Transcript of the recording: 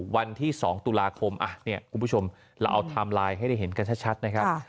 วันที่๒ตุลาคมคุณผู้ชมเราเอาไทม์ไลน์ให้ได้เห็นกันชัดนะครับ